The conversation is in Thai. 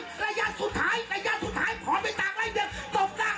พร้อมให้ตากไล่เบียงตกหน้ากันมาตกหน้ากันมา